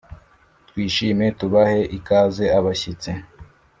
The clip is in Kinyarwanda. twishime tubahe ikaze abashyitsi